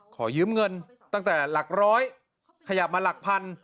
ขอยืมเงินตั้งแต่หลักร้อยขยับมาหลักพัน